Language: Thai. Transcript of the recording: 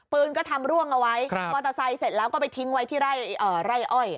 ปืนก็ทำร่วงเอาไว้มอเตอร์ไซค์เสร็จแล้วก็ไปทิ้งไว้ที่ไร่อ้อย